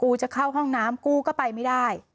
จะเข้าห้องน้ำกูก็ไปไม่ได้